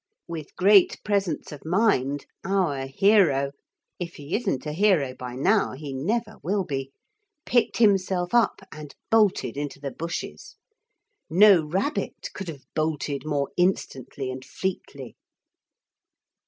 With great presence of mind our hero if he isn't a hero by now he never will be picked himself up and bolted into the bushes. No rabbit could have bolted more instantly and fleetly.